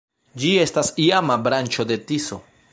Ĝi estas iama branĉo de Tiso.